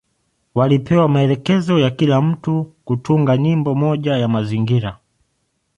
Walipewa maelekezo ya kila mtu kutunga nyimbo moja ya mazingira.